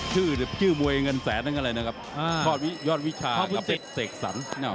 ชื่อมวยเงินแสนอะไรนะครับยอดวิชากับเสกสรร